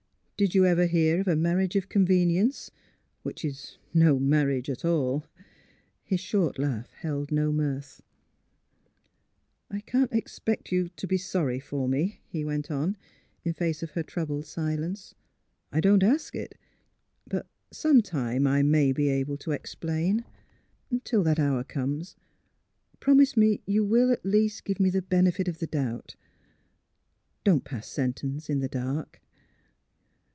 Did you ever hear of a marriage of convenience — which is no marriage at all! " His short laugh held no mirth. " I can't expect you to be sorry for me," he went on, in face of her troubled silence. '' I don 't ask it. But — sometime I may be able to explain. Till that hour comes, promise me you will, at least, give me the benefit of the doubt. Don't pass sentence — in the dark.